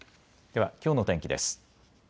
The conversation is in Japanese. ではきょうの天気です。